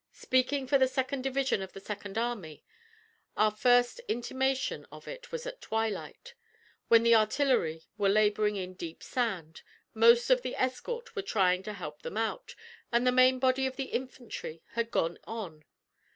Speaking for the second division of the Southern Army, our first intimation of it was at twilight, when the artillery were laboring in deep sand, most of the escort were trying to help them out, and the main body of the infantry had gone on.